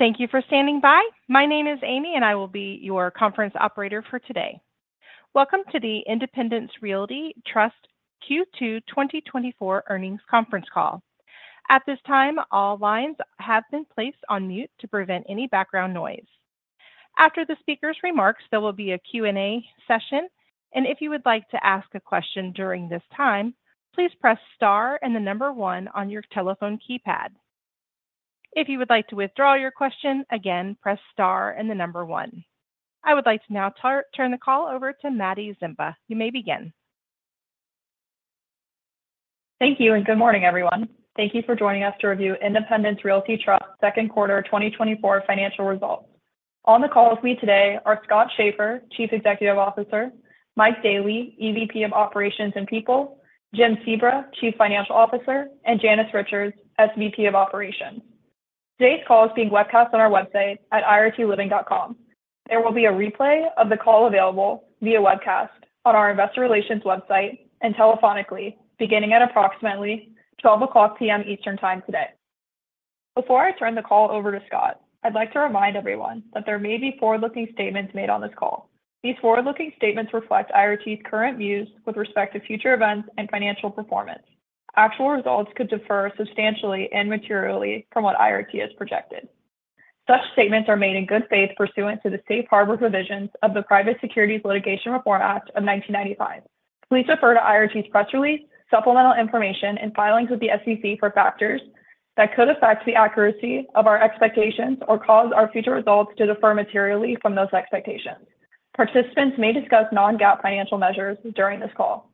Thank you for standing by. My name is Amy, and I will be your Conference Operator for today. Welcome to the Independence Realty Trust Q2 2024 earnings conference call. At this time, all lines have been placed on mute to prevent any background noise. After the speaker's remarks, there will be a Q&A session, and if you would like to ask a question during this time, please press star and the number one on your telephone keypad. If you would like to withdraw your question again, press star and the number one. I would like to now turn the call over to Maddy Zimba. You may begin. Thank you and good morning, everyone. Thank you for joining us to review Independence Realty Trust second quarter 2024 financial results. On the call with me today are Scott Schaeffer, Chief Executive Officer; Mike Daley, EVP of Operations and People; Jim Sebra, Chief Financial Officer; and Janice Richards, SVP of Operations. Today's call is being webcast on our website at irtliving.com. There will be a replay of the call available via webcast on our investor relations website and telephonically, beginning at approximately 12:00 P.M. Eastern Time today. Before I turn the call over to Scott, I'd like to remind everyone that there may be forward-looking statements made on this call. These forward-looking statements reflect IRT's current views with respect to future events and financial performance. Actual results could differ substantially and materially from what IRT has projected. Such statements are made in good faith pursuant to the safe harbor provisions of the Private Securities Litigation Reform Act of 1995. Please refer to IRT's press release, supplemental information, and filings with the SEC for factors that could affect the accuracy of our expectations or cause our future results to differ materially from those expectations. Participants may discuss non-GAAP financial measures during this call.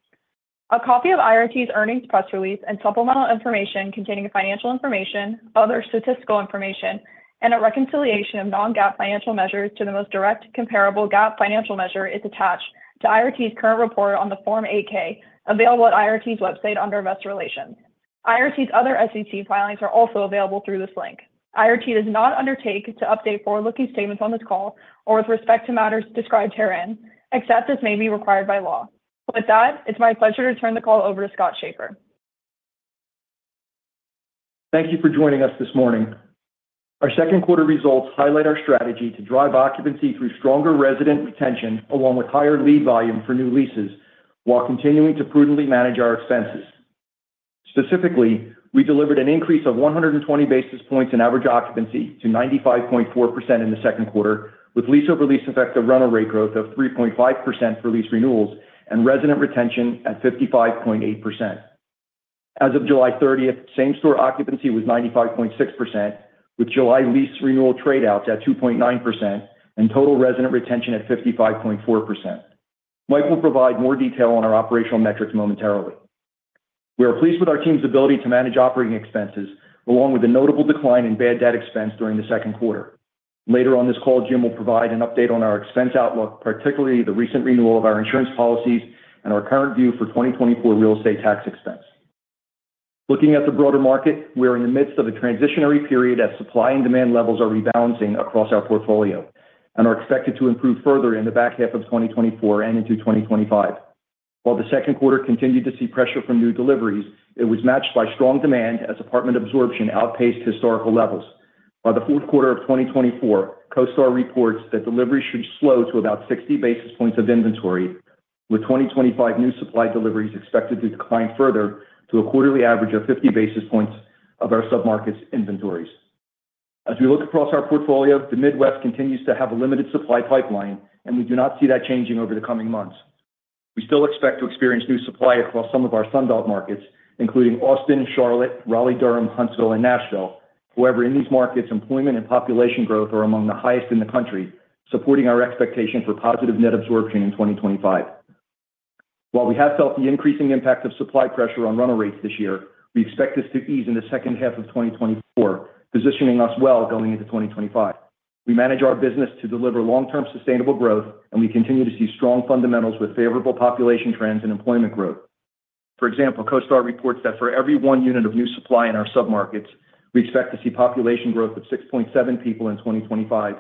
A copy of IRT's earnings press release and supplemental information containing financial information, other statistical information, and a reconciliation of non-GAAP financial measures to the most direct comparable GAAP financial measure is attached to IRT's current report on the Form 8-K available at IRT's website under Investor Relations. IRT's other SEC filings are also available through this link. IRT does not undertake to update forward-looking statements on this call or with respect to matters described herein except as may be required by law. With that, it's my pleasure to turn the call over to Scott Schaeffer. Thank you for joining us this morning. Our second quarter results highlight our strategy to drive occupancy through stronger resident retention along with higher lead volume for new leases while continuing to prudently manage our expenses. Specifically, we delivered an increase of 120 basis points in average occupancy to 95.4% in the second quarter, with lease-over-lease effective rental rate growth of 3.5% for lease renewals and resident retention at 55.8%. As of July 30th, same-store occupancy was 95.6%, with July lease renewal trade-outs at 2.9% and total resident retention at 55.4%. Mike will provide more detail on our operational metrics momentarily. We are pleased with our team's ability to manage operating expenses along with a notable decline in bad debt expense during the second quarter. Later on this call, Jim will provide an update on our expense outlook, particularly the recent renewal of our insurance policies and our current view for 2024 real estate tax expense. Looking at the broader market, we are in the midst of a transitionary period as supply and demand levels are rebalancing across our portfolio and are expected to improve further in the back half of 2024 and into 2025. While the second quarter continued to see pressure from new deliveries, it was matched by strong demand as apartment absorption outpaced historical levels. By the fourth quarter of 2024, CoStar reports that deliveries should slow to about 60 basis points of inventory, with 2025 new supply deliveries expected to decline further to a quarterly average of 50 basis points of our sub-market's inventories. As we look across our portfolio, the Midwest continues to have a limited supply pipeline, and we do not see that changing over the coming months. We still expect to experience new supply across some of our Sunbelt markets, including Austin, Charlotte, Raleigh-Durham, Huntsville, and Nashville. However, in these markets, employment and population growth are among the highest in the country, supporting our expectation for positive net absorption in 2025. While we have felt the increasing impact of supply pressure on rental rates this year, we expect this to ease in the second half of 2024, positioning us well going into 2025. We manage our business to deliver long-term sustainable growth, and we continue to see strong fundamentals with favorable population trends and employment growth. For example, CoStar reports that for every one unit of new supply in our sub-markets, we expect to see population growth of 6.7 people in 2025,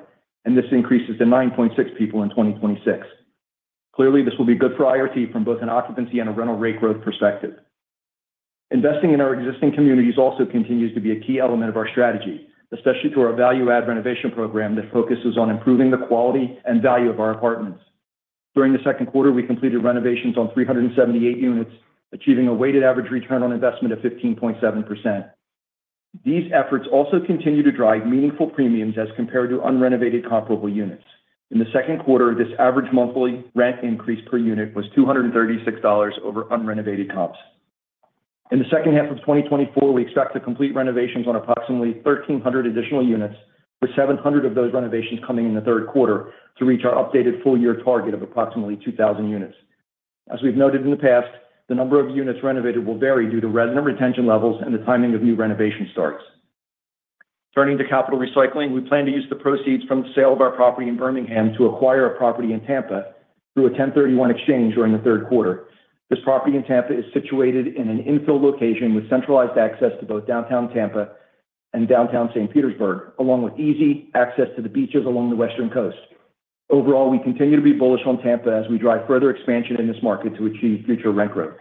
and this increases to 9.6 people in 2026. Clearly, this will be good for IRT from both an occupancy and a rental rate growth perspective. Investing in our existing communities also continues to be a key element of our strategy, especially through our value-add renovation program that focuses on improving the quality and value of our apartments. During the second quarter, we completed renovations on 378 units, achieving a weighted average return on investment of 15.7%. These efforts also continue to drive meaningful premiums as compared to unrenovated comparable units. In the second quarter, this average monthly rent increase per unit was $236 over unrenovated comps. In the second half of 2024, we expect to complete renovations on approximately 1,300 additional units, with 700 of those renovations coming in the third quarter to reach our updated full-year target of approximately 2,000 units. As we've noted in the past, the number of units renovated will vary due to resident retention levels and the timing of new renovation starts. Turning to capital recycling, we plan to use the proceeds from the sale of our property in Birmingham to acquire a property in Tampa through a 1031 exchange during the third quarter. This property in Tampa is situated in an infill location with centralized access to both Downtown Tampa and Downtown St. Petersburg, along with easy access to the beaches along the western coast. Overall, we continue to be bullish on Tampa as we drive further expansion in this market to achieve future rent growth.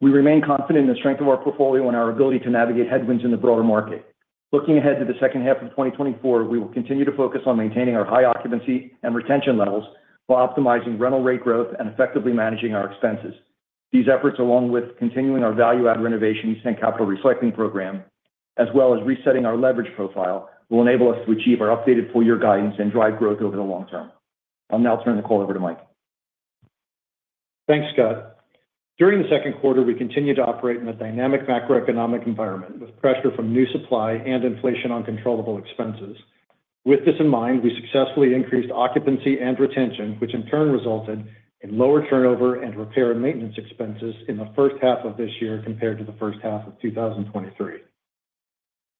We remain confident in the strength of our portfolio and our ability to navigate headwinds in the broader market. Looking ahead to the second half of 2024, we will continue to focus on maintaining our high occupancy and retention levels while optimizing rental rate growth and effectively managing our expenses. These efforts, along with continuing our value-add renovations and capital recycling program, as well as resetting our leverage profile, will enable us to achieve our updated full-year guidance and drive growth over the long term. I'll now turn the call over to Mike. Thanks, Scott. During the second quarter, we continue to operate in a dynamic macroeconomic environment with pressure from new supply and inflation on controllable expenses. With this in mind, we successfully increased occupancy and retention, which in turn resulted in lower turnover and repair and maintenance expenses in the first half of this year compared to the first half of 2023.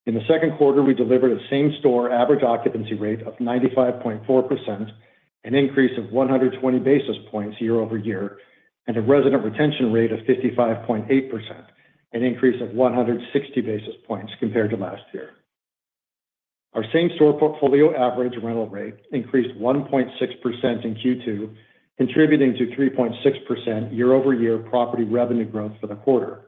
In the second quarter, we delivered a same-store average occupancy rate of 95.4%, an increase of 120 basis points year-over-year, and a resident retention rate of 55.8%, an increase of 160 basis points compared to last year. Our same-store portfolio average rental rate increased 1.6% in Q2, contributing to 3.6% year-over-year property revenue growth for the quarter.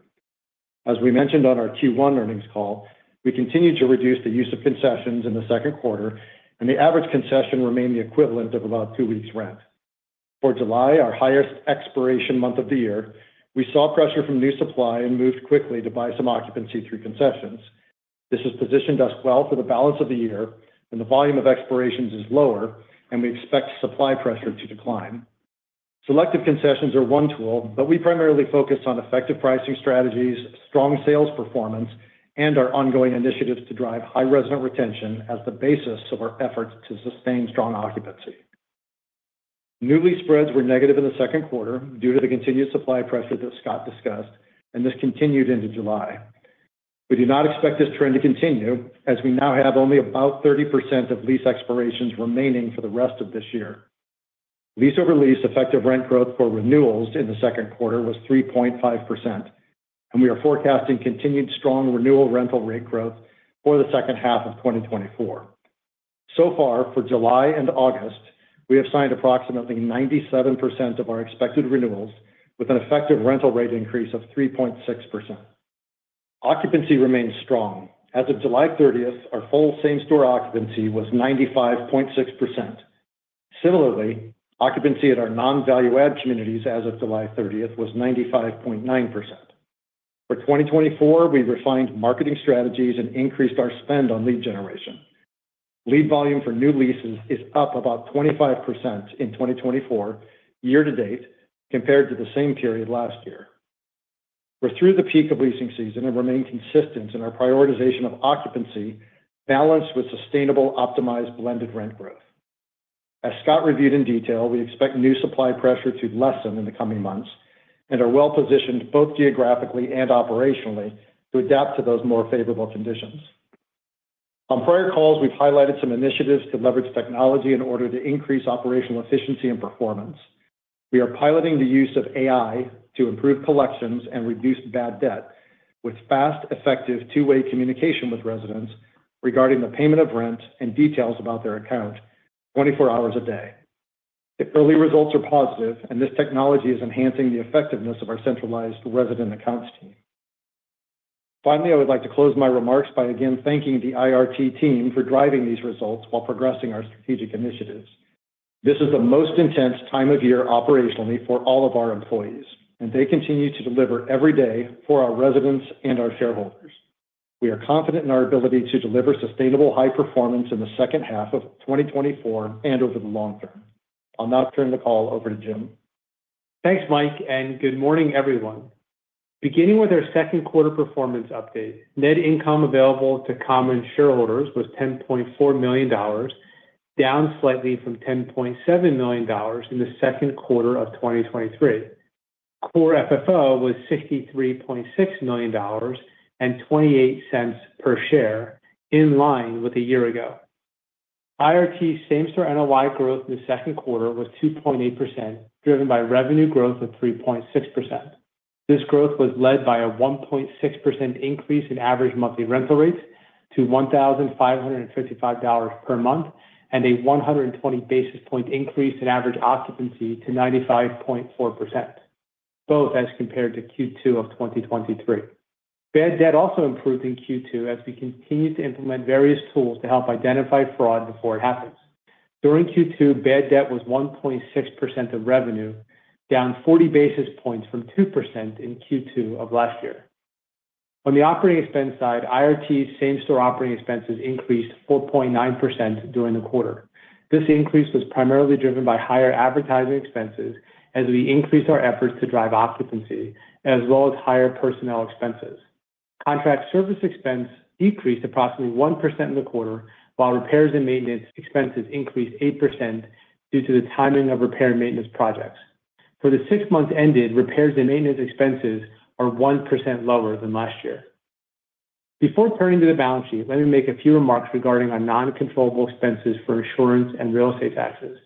As we mentioned on our Q1 earnings call, we continued to reduce the use of concessions in the second quarter, and the average concession remained the equivalent of about two weeks' rent. For July, our highest expiration month of the year, we saw pressure from new supply and moved quickly to buy some occupancy through concessions. This has positioned us well for the balance of the year, and the volume of expirations is lower, and we expect supply pressure to decline. Selective concessions are one tool, but we primarily focus on effective pricing strategies, strong sales performance, and our ongoing initiatives to drive high resident retention as the basis of our efforts to sustain strong occupancy. New lease spreads were negative in the second quarter due to the continued supply pressure that Scott discussed, and this continued into July. We do not expect this trend to continue as we now have only about 30% of lease expirations remaining for the rest of this year. Lease-over-lease effective rent growth for renewals in the second quarter was 3.5%, and we are forecasting continued strong renewal rental rate growth for the second half of 2024. So far, for July and August, we have signed approximately 97% of our expected renewals with an effective rental rate increase of 3.6%. Occupancy remains strong. As of July 30th, our full same-store occupancy was 95.6%. Similarly, occupancy in our non-value-add communities as of July 30th was 95.9%. For 2024, we refined marketing strategies and increased our spend on lead generation. Lead volume for new leases is up about 25% in 2024 year-to-date compared to the same period last year. We're through the peak of leasing season and remain consistent in our prioritization of occupancy, balanced with sustainable optimized blended rent growth. As Scott reviewed in detail, we expect new supply pressure to lessen in the coming months and are well-positioned both geographically and operationally to adapt to those more favorable conditions. On prior calls, we've highlighted some initiatives to leverage technology in order to increase operational efficiency and performance. We are piloting the use of AI to improve collections and reduce bad debt, with fast, effective two-way communication with residents regarding the payment of rent and details about their account 24 hours a day. The early results are positive, and this technology is enhancing the effectiveness of our centralized resident accounts team. Finally, I would like to close my remarks by again thanking the IRT team for driving these results while progressing our strategic initiatives. This is the most intense time of year operationally for all of our employees, and they continue to deliver every day for our residents and our shareholders. We are confident in our ability to deliver sustainable high performance in the second half of 2024 and over the long term. I'll now turn the call over to Jim. Thanks, Mike, and good morning, everyone. Beginning with our second quarter performance update, net income available to common shareholders was $10.4 million, down slightly from $10.7 million in the second quarter of 2023. Core FFO was $63.6 million and $0.28 per share, in line with a year ago. IRT's same-store NOI growth in the second quarter was 2.8%, driven by revenue growth of 3.6%. This growth was led by a 1.6% increase in average monthly rental rates to $1,555 per month and a 120 basis point increase in average occupancy to 95.4%, both as compared to Q2 of 2023. Bad debt also improved in Q2 as we continued to implement various tools to help identify fraud before it happens. During Q2, bad debt was 1.6% of revenue, down 40 basis points from 2% in Q2 of last year. On the operating expense side, IRT's same-store operating expenses increased 4.9% during the quarter. This increase was primarily driven by higher advertising expenses as we increased our efforts to drive occupancy, as well as higher personnel expenses. Contract service expense decreased approximately 1% in the quarter, while repairs and maintenance expenses increased 8% due to the timing of repair and maintenance projects. For the six months ended, repairs and maintenance expenses are 1% lower than last year. Before turning to the balance sheet, let me make a few remarks regarding our non-controllable expenses for insurance and real estate taxes.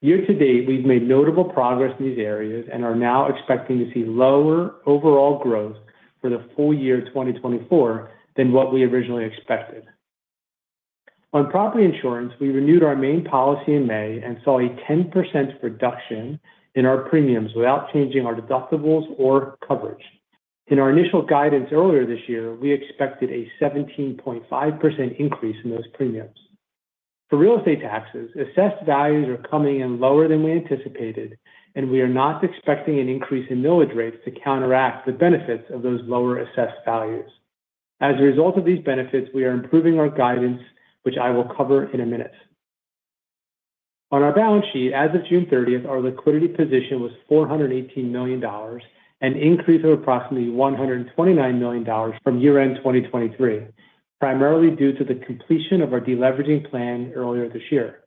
Year to date, we've made notable progress in these areas and are now expecting to see lower overall growth for the full-year 2024 than what we originally expected. On property insurance, we renewed our main policy in May and saw a 10% reduction in our premiums without changing our deductibles or coverage. In our initial guidance earlier this year, we expected a 17.5% increase in those premiums. For real estate taxes, assessed values are coming in lower than we anticipated, and we are not expecting an increase in millage rates to counteract the benefits of those lower assessed values. As a result of these benefits, we are improving our guidance, which I will cover in a minute. On our balance sheet, as of June 30th, our liquidity position was $418 million and an increase of approximately $129 million from year-end 2023, primarily due to the completion of our deleveraging plan earlier this year.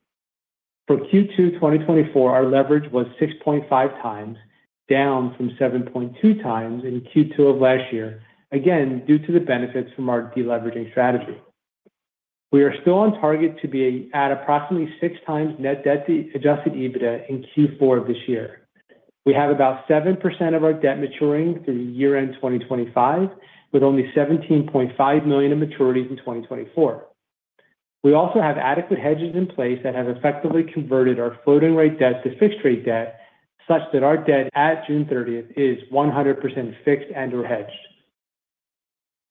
For Q2 2024, our leverage was 6.5x, down from 7.2x in Q2 of last year, again due to the benefits from our deleveraging strategy. We are still on target to be at approximately 6x net debt adjusted EBITDA in Q4 of this year. We have about 7% of our debt maturing through year-end 2025, with only $17.5 million in maturities in 2024. We also have adequate hedges in place that have effectively converted our floating rate debt to fixed rate debt such that our debt at June 30th is 100% fixed and/or hedged.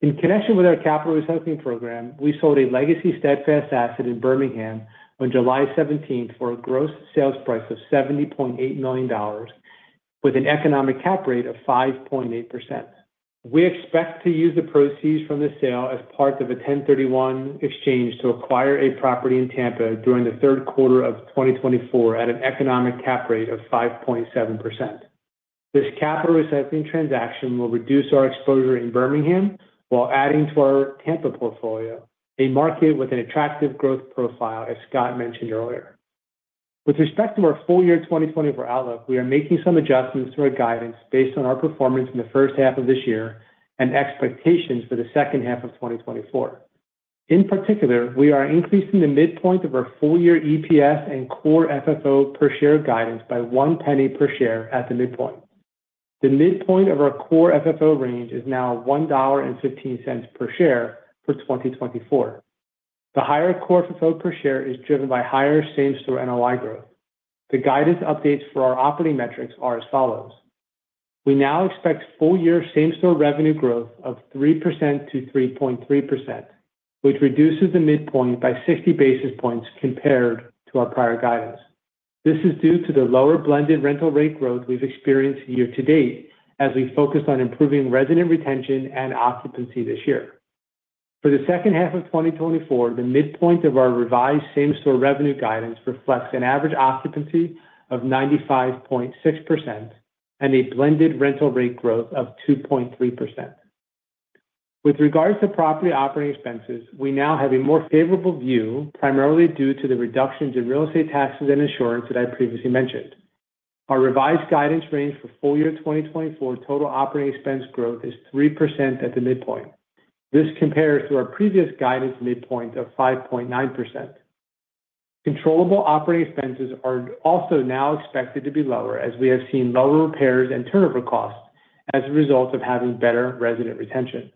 In connection with our capital recycling program, we sold a legacy Steadfast asset in Birmingham on July 17th for a gross sales price of $70.8 million, with an economic cap rate of 5.8%. We expect to use the proceeds from the sale as part of a 1031 exchange to acquire a property in Tampa during the third quarter of 2024 at an economic cap rate of 5.7%. This capital recycling transaction will reduce our exposure in Birmingham while adding to our Tampa portfolio, a market with an attractive growth profile, as Scott mentioned earlier. With respect to our full-year 2024 outlook, we are making some adjustments to our guidance based on our performance in the first half of this year and expectations for the second half of 2024. In particular, we are increasing the midpoint of our full-year EPS and core FFO per share guidance by $0.01 per share at the midpoint. The midpoint of our core FFO range is now $1.15 per share for 2024. The higher core FFO per share is driven by higher same-store NOI growth. The guidance updates for our operating metrics are as follows. We now expect full-year same-store revenue growth of 3%-3.3%, which reduces the midpoint by 60 basis points compared to our prior guidance. This is due to the lower blended rental rate growth we've experienced year to date as we focused on improving resident retention and occupancy this year. For the second half of 2024, the midpoint of our revised same-store revenue guidance reflects an average occupancy of 95.6% and a blended rental rate growth of 2.3%. With regards to property operating expenses, we now have a more favorable view, primarily due to the reductions in real estate taxes and insurance that I previously mentioned. Our revised guidance range for full-year 2024 total operating expense growth is 3% at the midpoint. This compares to our previous guidance midpoint of 5.9%. Controllable operating expenses are also now expected to be lower as we have seen lower repairs and turnover costs as a result of having better resident retention.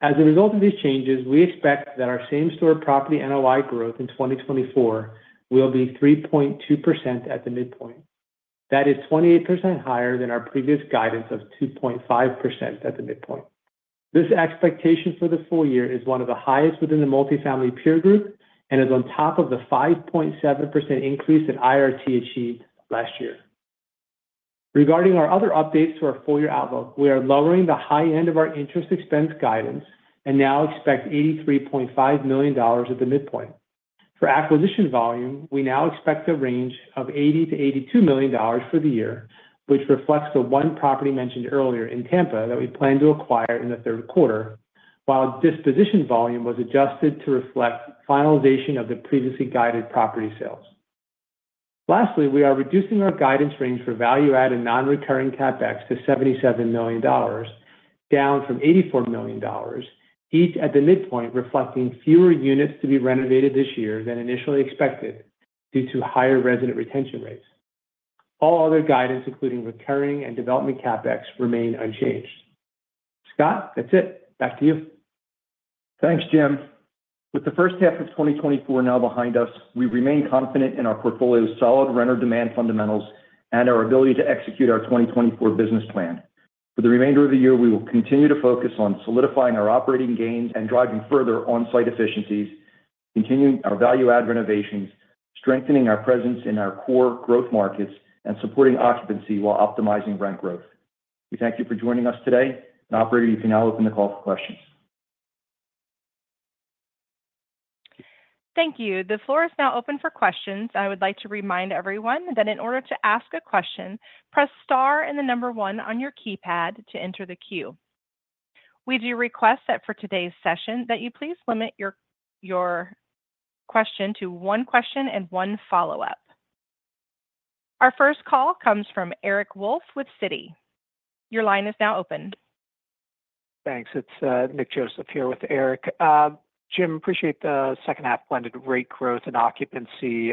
As a result of these changes, we expect that our same-store property NOI growth in 2024 will be 3.2% at the midpoint. That is 28% higher than our previous guidance of 2.5% at the midpoint. This expectation for the full year is one of the highest within the multifamily peer group and is on top of the 5.7% increase that IRT achieved last year. Regarding our other updates to our full-year outlook, we are lowering the high end of our interest expense guidance and now expect $83.5 million at the midpoint. For acquisition volume, we now expect a range of $80 million-$82 million for the year, which reflects the one property mentioned earlier in Tampa that we plan to acquire in the third quarter, while disposition volume was adjusted to reflect finalization of the previously guided property sales. Lastly, we are reducing our guidance range for value-add and non-recurring CapEx to $77 million, down from $84 million, each at the midpoint reflecting fewer units to be renovated this year than initially expected due to higher resident retention rates. All other guidance, including recurring and development CapEx, remain unchanged. Scott, that's it. Back to you. Thanks, Jim. With the first half of 2024 now behind us, we remain confident in our portfolio's solid renter demand fundamentals and our ability to execute our 2024 business plan. For the remainder of the year, we will continue to focus on solidifying our operating gains and driving further on-site efficiencies, continuing our value-add renovations, strengthening our presence in our core growth markets, and supporting occupancy while optimizing rent growth. We thank you for joining us today. Operator, you can now open the call for questions. Thank you. The floor is now open for questions. I would like to remind everyone that in order to ask a question, press star and the number one on your keypad to enter the queue. We do request that for today's session that you please limit your question to one question and one follow-up. Our first call comes from Eric Wolfe with Citi. Your line is now open. Thanks. It's Nick Joseph here with Eric. Jim, appreciate the second half blended rate growth and occupancy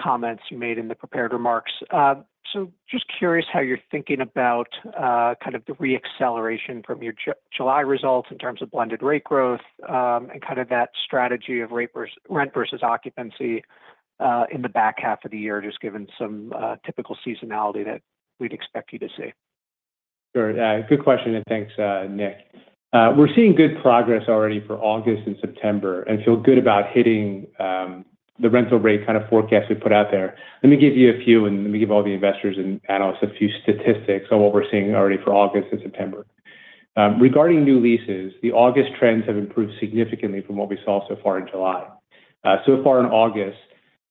comments you made in the prepared remarks. So just curious how you're thinking about kind of the re-acceleration from your July results in terms of blended rate growth and kind of that strategy of rent versus occupancy in the back half of the year, just given some typical seasonality that we'd expect you to see. Sure. Good question, and thanks, Nick. We're seeing good progress already for August and September and feel good about hitting the rental rate kind of forecast we put out there. Let me give you a few, and let me give all the investors and analysts a few statistics on what we're seeing already for August and September. Regarding new leases, the August trends have improved significantly from what we saw so far in July. So far in August,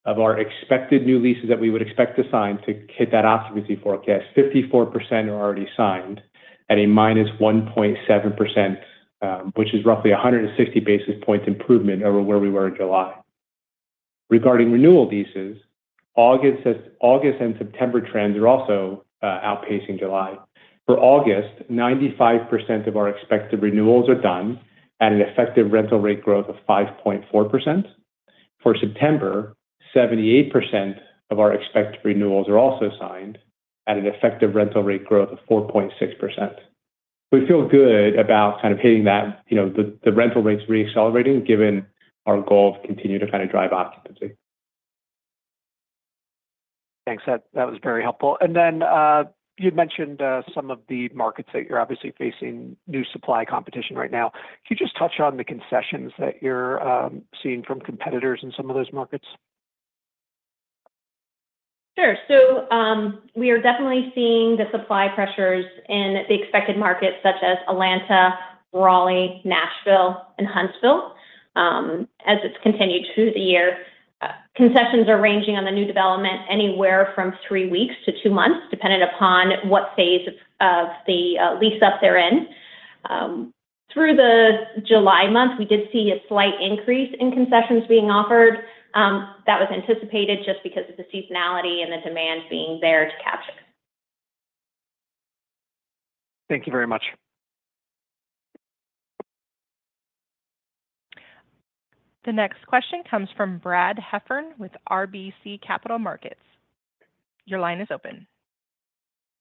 of our expected new leases that we would expect to sign to hit that occupancy forecast, 54% are already signed at a -1.7%, which is roughly 160 basis points improvement over where we were in July. Regarding renewal leases, August and September trends are also outpacing July. For August, 95% of our expected renewals are done at an effective rental rate growth of 5.4%. For September, 78% of our expected renewals are also signed at an effective rental rate growth of 4.6%. We feel good about kind of hitting that, the rental rates re-accelerating given our goal of continuing to kind of drive occupancy. Thanks. That was very helpful. And then you'd mentioned some of the markets that you're obviously facing new supply competition right now. Can you just touch on the concessions that you're seeing from competitors in some of those markets? Sure. So we are definitely seeing the supply pressures in the expected markets such as Atlanta, Raleigh, Nashville, and Huntsville as it's continued through the year. Concessions are ranging on the new development anywhere from three weeks to two months, depending upon what phase of the lease up they're in. Through the July month, we did see a slight increase in concessions being offered. That was anticipated just because of the seasonality and the demand being there to capture. Thank you very much. The next question comes from Brad Heffern with RBC Capital Markets. Your line is open.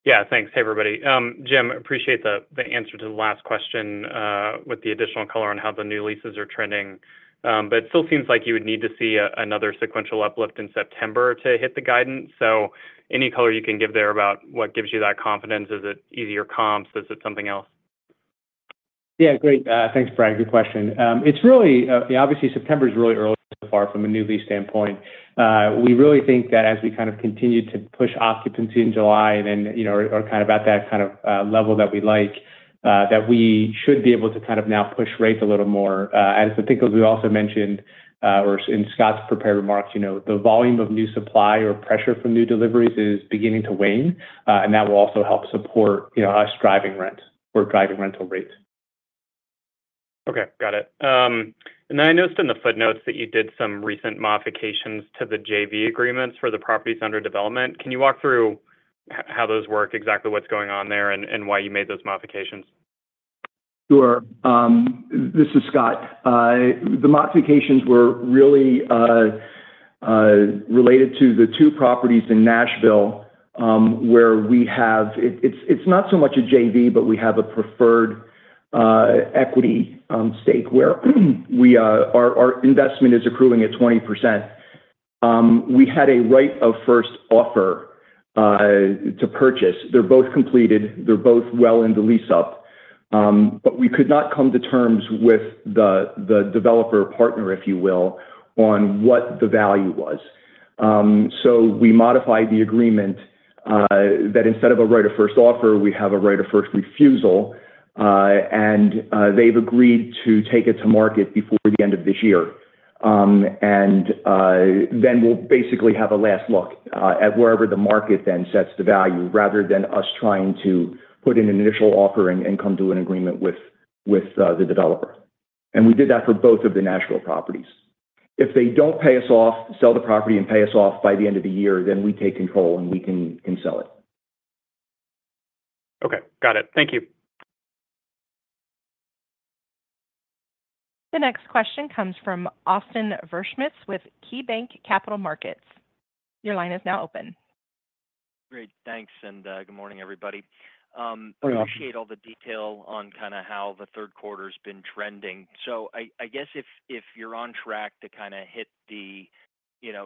Yeah. Thanks. Hey, everybody. Jim, appreciate the answer to the last question with the additional color on how the new leases are trending. But it still seems like you would need to see another sequential uplift in September to hit the guidance. So any color you can give there about what gives you that confidence? Is it easier comps? Is it something else? Yeah. Great. Thanks, Brad. Good question. It's really, obviously, September is really early so far from a new lease standpoint. We really think that as we kind of continue to push occupancy in July and then are kind of at that kind of level that we like, that we should be able to kind of now push rates a little more. And I think, as we also mentioned, or in Scott's prepared remarks, the volume of new supply or pressure from new deliveries is beginning to wane, and that will also help support us driving rent or driving rental rates. Okay. Got it. And then I noticed in the footnotes that you did some recent modifications to the JV agreements for the properties under development. Can you walk through how those work, exactly what's going on there, and why you made those modifications? Sure. This is Scott. The modifications were really related to the two properties in Nashville where we have—it's not so much a JV, but we have a preferred equity stake where our investment is accruing at 20%. We had a right of first offer to purchase. They're both completed. They're both well in the lease up. But we could not come to terms with the developer partner, if you will, on what the value was. So we modified the agreement that instead of a right of first offer, we have a right of first refusal. And they've agreed to take it to market before the end of this year. And then we'll basically have a last look at wherever the market then sets the value, rather than us trying to put in an initial offer and come to an agreement with the developer. We did that for both of the Nashville properties. If they don't pay us off, sell the property and pay us off by the end of the year, then we take control and we can sell it. Okay. Got it. Thank you. The next question comes from Austin Wurschmidt with KeyBanc Capital Markets. Your line is now open. Great. Thanks. Good morning, everybody. I appreciate all the detail on kind of how the third quarter has been trending. So I guess if you're on track to kind of hit the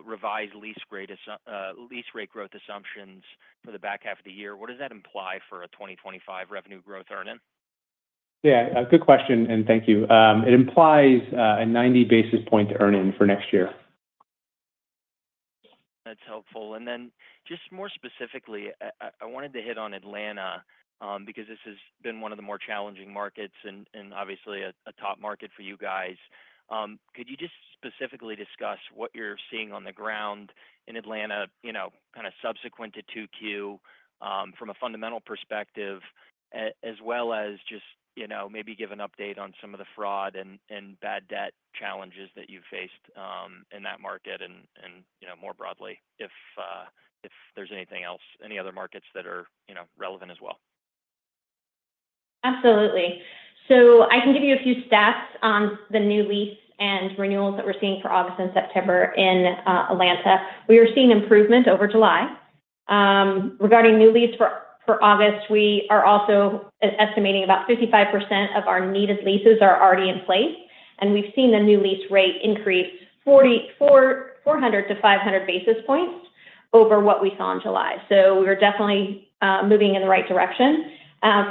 revised lease rate growth assumptions for the back half of the year, what does that imply for a 2025 revenue growth earnings? Yeah. Good question. And thank you. It implies a 90 basis points earnings for next year. That's helpful. Then just more specifically, I wanted to hit on Atlanta because this has been one of the more challenging markets and obviously a top market for you guys. Could you just specifically discuss what you're seeing on the ground in Atlanta kind of subsequent to 2Q from a fundamental perspective, as well as just maybe give an update on some of the fraud and bad debt challenges that you've faced in that market and more broadly, if there's anything else, any other markets that are relevant as well? Absolutely. So I can give you a few stats on the new lease and renewals that we're seeing for August and September in Atlanta. We are seeing improvement over July. Regarding new lease for August, we are also estimating about 55% of our needed leases are already in place. And we've seen the new lease rate increase 400 basis points-500 basis points over what we saw in July. So we're definitely moving in the right direction.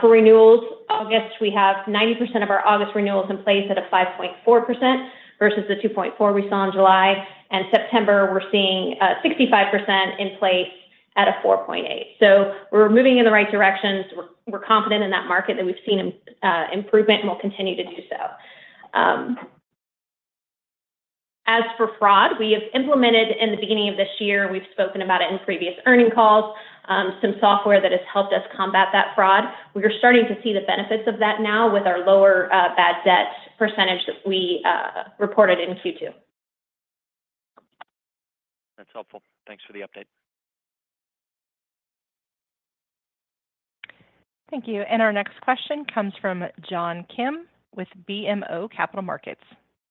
For renewals, August, we have 90% of our August renewals in place at a 5.4% versus the 2.4% we saw in July. And September, we're seeing 65% in place at a 4.8%. So we're moving in the right direction. We're confident in that market that we've seen improvement and we'll continue to do so. As for fraud, we have implemented in the beginning of this year, we've spoken about it in previous earnings calls, some software that has helped us combat that fraud. We are starting to see the benefits of that now with our lower bad debt percentage that we reported in Q2. That's helpful. Thanks for the update. Thank you. Our next question comes from John Kim with BMO Capital Markets.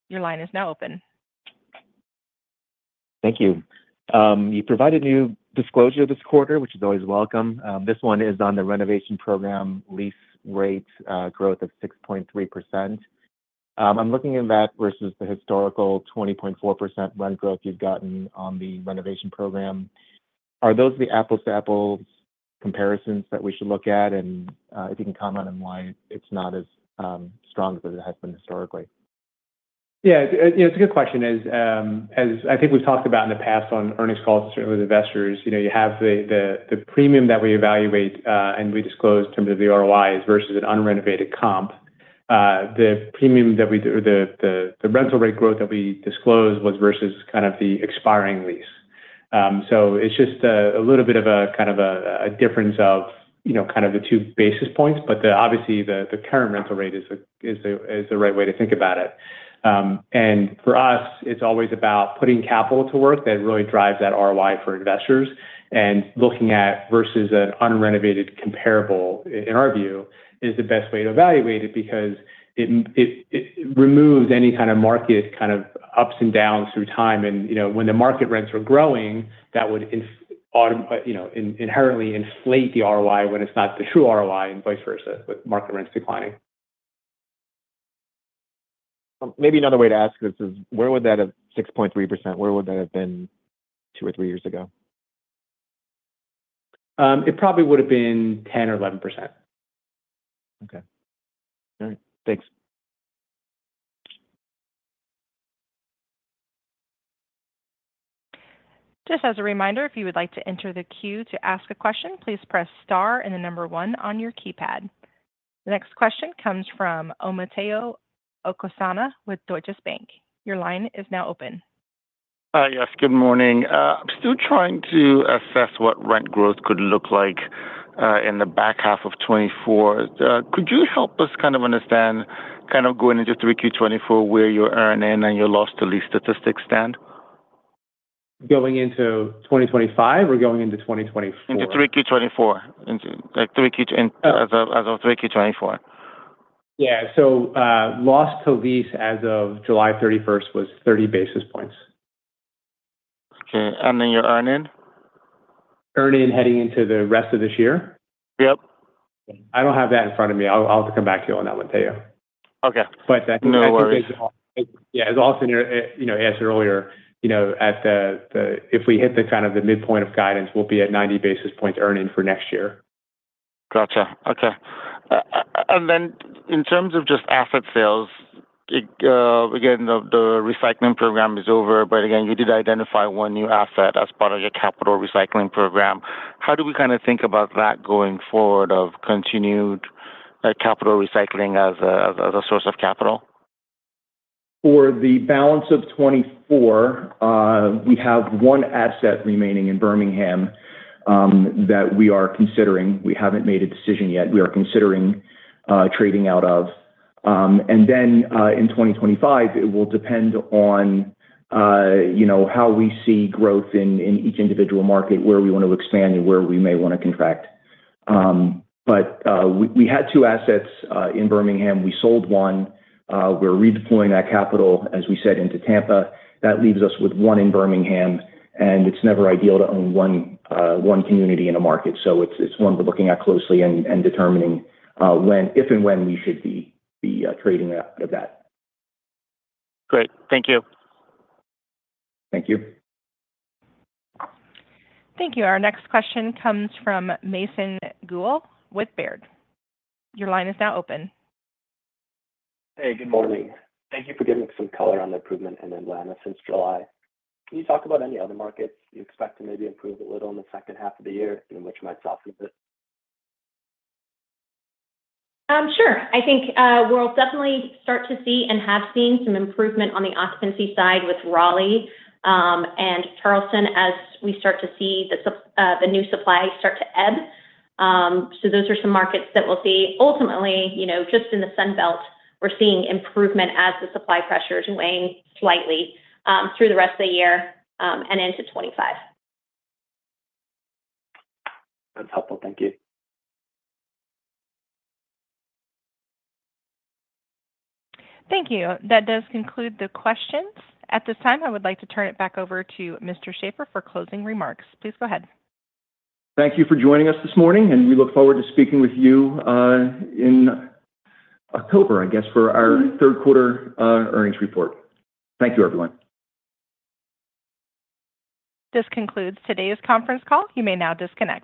Your line is now open. Thank you. You provided new disclosure this quarter, which is always welcome. This one is on the renovation program lease rate growth of 6.3%. I'm looking at that versus the historical 20.4% rent growth you've gotten on the renovation program. Are those the apples-to-apples comparisons that we should look at? And if you can comment on why it's not as strong as it has been historically. Yeah. It's a good question. As I think we've talked about in the past on earnings calls and certainly with investors, you have the premium that we evaluate and we disclose in terms of the ROIs versus an unrenovated comp. The premium that we or the rental rate growth that we disclose was versus kind of the expiring lease. So it's just a little bit of a kind of a difference of kind of the 2 basis points. But obviously, the current rental rate is the right way to think about it. And for us, it's always about putting capital to work that really drives that ROI for investors and looking at versus an unrenovated comparable, in our view, is the best way to evaluate it because it removes any kind of market kind of ups and downs through time. When the market rents are growing, that would inherently inflate the ROI when it's not the true ROI and vice versa with market rents declining. Maybe another way to ask this is, where would that 6.3%, where would that have been two or three years ago? It probably would have been 10% or 11%. Okay. All right. Thanks. Just as a reminder, if you would like to enter the queue to ask a question, please press star and the number one on your keypad. The next question comes from Omotayo Okusanya with Deutsche Bank. Your line is now open. Yes. Good morning. I'm still trying to assess what rent growth could look like in the back half of 2024. Could you help us kind of understand kind of going into 3Q 2024, where your earn-in and your loss-to-lease statistics stand? Going into 2025 or going into 2024? Into 3Q 2024. As of 3Q 2024. Yeah. So loss-to-lease as of July 31st was 30 basis points. Okay. And then your earn-in? Earn-in heading into the rest of this year? Yep. I don't have that in front of me. I'll have to come back to you on that one, Omotayo. Okay. No worries. But that can be a big yeah. As Austin answered earlier, if we hit the kind of the midpoint of guidance, we'll be at 90 basis points earning for next year. Gotcha. Okay. And then in terms of just asset sales, again, the recycling program is over. But again, you did identify one new asset as part of your capital recycling program. How do we kind of think about that going forward of continued capital recycling as a source of capital? For the balance of 2024, we have one asset remaining in Birmingham that we are considering. We haven't made a decision yet. We are considering trading out of. And then in 2025, it will depend on how we see growth in each individual market, where we want to expand and where we may want to contract. But we had two assets in Birmingham. We sold one. We're redeploying that capital, as we said, into Tampa. That leaves us with one in Birmingham. And it's never ideal to own one community in a market. So it's one we're looking at closely and determining if and when we should be trading out of that. Great. Thank you. Thank you. Thank you. Our next question comes from Mason Guell with Baird. Your line is now open. Hey. Good morning. Thank you for giving some color on the improvement in Atlanta since July. Can you talk about any other markets you expect to maybe improve a little in the second half of the year and which might soften it? Sure. I think we'll definitely start to see and have seen some improvement on the occupancy side with Raleigh and Charleston as we start to see the new supply start to ebb. So those are some markets that we'll see. Ultimately, just in the Sunbelt, we're seeing improvement as the supply pressure is weighing slightly through the rest of the year and into 2025. That's helpful. Thank you. Thank you. That does conclude the questions. At this time, I would like to turn it back over to Mr. Schaeffer for closing remarks. Please go ahead. Thank you for joining us this morning. We look forward to speaking with you in October, I guess, for our third quarter earnings report. Thank you, everyone. This concludes today's conference call. You may now disconnect.